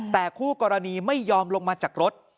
แต่คู่กรณีไม่ยอมลงมาจากรถ